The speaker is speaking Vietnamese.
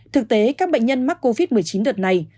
thực tế các bệnh nhân mắc covid một mươi chín đợt này